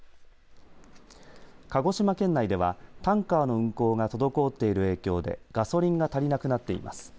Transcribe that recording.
鹿児島県内ではタンカーの運航が滞っている影響でガソリンが足りなくなっています。